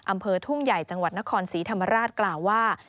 อำเภอทุ่งใหญ่จังหวัดนครศรีธรรมราชกล่าวว่า